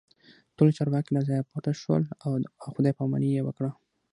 ټول چارواکي له ځایه پورته شول او خداي پاماني یې وکړه